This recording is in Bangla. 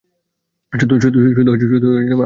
শুধু আমার নামের জন্য,।